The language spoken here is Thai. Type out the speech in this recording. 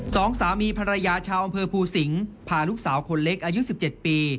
สองสามีภรรยาชาวอำเภอภูสิงศ์พาลูกสาวคนเล็กอายุ๑๗ปี